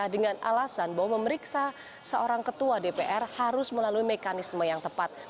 dengan alasan bahwa memeriksa seorang ketua dpr harus melalui mekanisme yang tepat